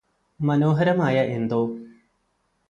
മനോഹരമായ എന്തോ